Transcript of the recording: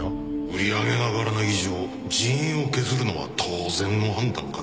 売り上げが上がらない以上人員を削るのは当然の判断かといいんだよ。